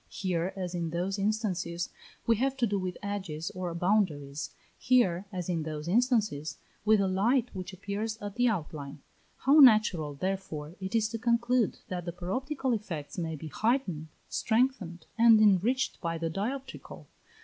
Here, as in those instances, we have to do with edges or boundaries; here, as in those instances, with a light, which appears at the outline. How natural, therefore, it is to conclude that the paroptical effects may be heightened, strengthened, and enriched by the dioptrical.